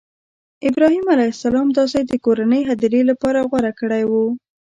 ابراهیم علیه السلام دا ځای د کورنۍ هدیرې لپاره غوره کړی و.